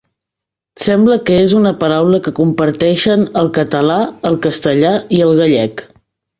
Sembla que és una paraula que comparteixen el català, el castellà i el gallec.